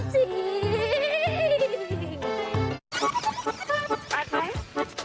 ที่มีแผ่นที่พลังได้